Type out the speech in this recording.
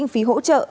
kinh phí hỗ trợ